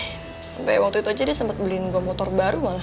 sampai waktu itu aja dia sempet beliin gue motor baru malah